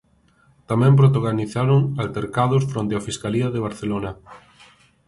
Tamén protagonizaron altercados fronte a fiscalía de Barcelona.